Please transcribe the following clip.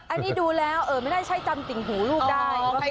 อันนี้ดูแล้วไม่น่าใช่จำติ่งหูลูกได้